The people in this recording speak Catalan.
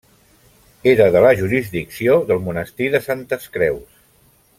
Era de la jurisdicció del monestir de Santes Creus.